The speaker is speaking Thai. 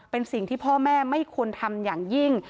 เป็นสิ่งที่พ่อแม่ไม่ควรทำอย่างยิ่ง